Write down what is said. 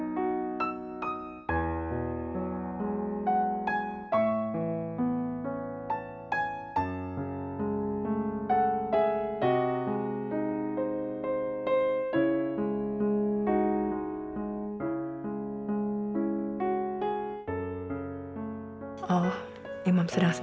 mereka memang entered ke pikirim